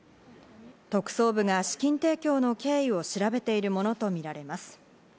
特捜部が資金提供の経緯を調べているものとみられます。